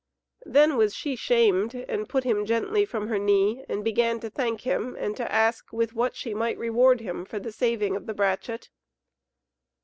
Then was she shamed, and put him gently from her knee, and began to thank him and to ask with what she might reward him for the saving of the brachet.